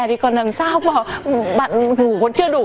thì còn làm sao mà bạn ngủ vẫn chưa đủ